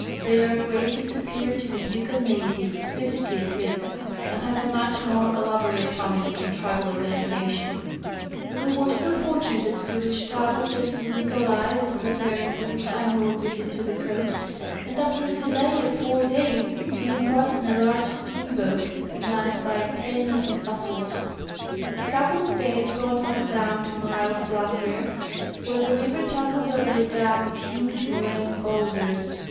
They are greatl}^ superior to the Yukon ]iatives, physically at least, and have a much more elaborate family and tribal organization. IS— Nat. Geoo. Mao., vol. IV, 18!) ', 12G C. W. Hayes — Exjiedition tJirough the Yukon District. We were so fortunate as to reach Taral just as Nicolai was preparing for his annual visit to the coast, and after a delay of four days we embarked in a large skin boat manned by ten of his vassals. A couple of clays brought us down to Miles glacier, where the river tumbles over a dam of huge moraine bowlders.